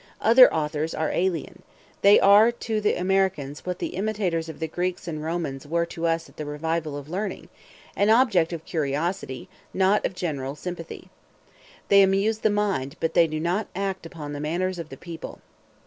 Other authors are aliens; they are to the Americans what the imitators of the Greeks and Romans were to us at the revival of learning an object of curiosity, not of general sympathy. They amuse the mind, but they do not act upon the manners of the people.